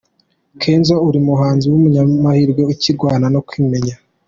Kenzo ni umuhanzi w’umunyamahirwe ukirwana no kwimenya”.